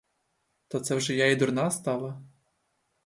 То це вже я й дурна стала?